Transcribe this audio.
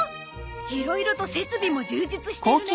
いろいろと設備も充実してるね。